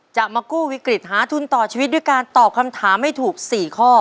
จะมากู้วิกฤตหาทุนต่อชีวิตด้วยการตอบคำถามให้ถูก๔ข้อ